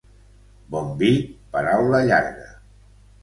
Bon vi, paraula llarga.